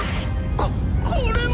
ここれは！